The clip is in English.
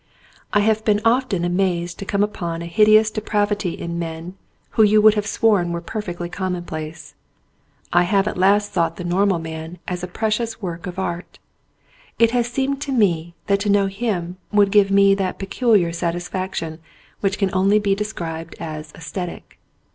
I have been often amazed to come upon a hideous depravity in men who you would have sworn were perfectly commonplace. I have at last sought the normal man as a precious work of art. It has seemed to me that to know him would give me that peculiar satis faction which can only be described as aesthetic.